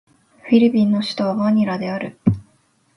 フィリピンの首都はマニラである